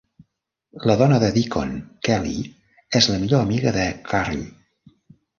La dona de Deacon, Kelly, és la millor amiga de Carrie.